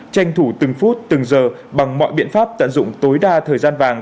tranh thủ từng phút từng giờ bằng mọi biện pháp tận dụng tối đa thời gian vàng